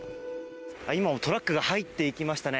今もトラックが入っていきましたね。